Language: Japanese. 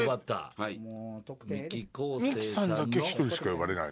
これミキさんだけ１人しか呼ばれないの？